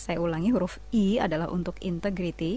saya ulangi huruf i adalah untuk integrity